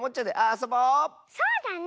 そうだね。